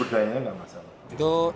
berdayanya enggak masalah